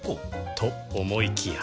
と思いきや